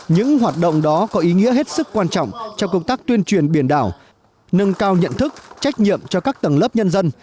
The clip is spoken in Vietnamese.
những hoạt động đó có ý nghĩa hết sức quan trọng trong công tác tuyên truyền biển đảo nâng cao nhận thức trách nhiệm cho các tầng lớp nhân dân